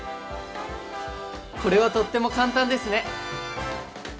これはとっても簡単ですね！